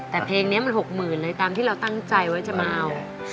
แต่เพลงนี้มัน๖๐๐๐เลยตามที่เราตั้งใจไว้จะมาเอา